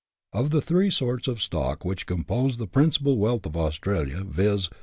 Of the three sorts of stock which compose the principal wealth of Australia, viz.